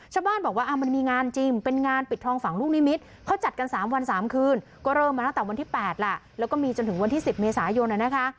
ชาวบ้านบอกว่ามันมีงานจริงเป็นงานปิดทองฝั่งลูกนิมิตรเขาจัดกัน๓วัน๓คืนก็เริ่มมาตั้งแต่วันที่๘แหละแล้วก็มีจนถึงวันที่๑๐เมษายนนะคะ